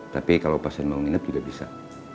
tapi kalau pasien mau nginep juga bisa